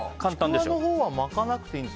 ちくわのほうは巻かなくていいんだ。